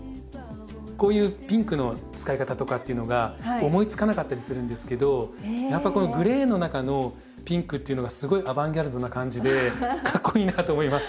こういうピンクの使い方とかっていうのが思いつかなかったりするんですけどやっぱこのグレーの中のピンクっていうのがすごいアバンギャルドな感じでかっこいいなと思います。